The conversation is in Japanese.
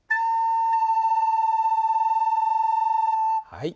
はい。